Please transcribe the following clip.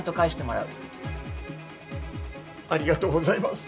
ありがとうございます。